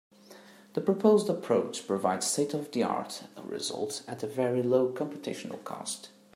The proposed approach provides state-of-the-art results at very low computational cost.